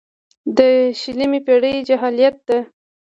د شلمې پېړۍ جاهلیت ده.